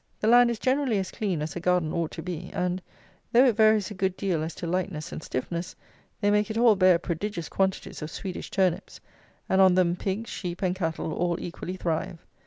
The land is generally as clean as a garden ought to be; and, though it varies a good deal as to lightness and stiffness, they make it all bear prodigious quantities of Swedish turnips; and on them pigs, sheep, and cattle, all equally thrive.